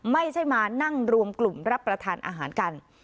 ไม่ใช่มานั่งรวมกลุ่มรับประทานอาหารกัน